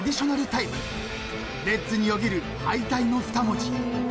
［レッズによぎる敗退の二文字］